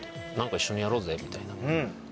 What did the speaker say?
何か一緒にやろうぜ」みたいな。